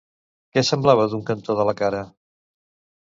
Què semblava d'un cantó de la cara?